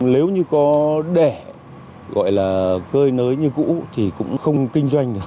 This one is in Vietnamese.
nếu như có đẻ gọi là cơi nới như cũ thì cũng không kinh doanh được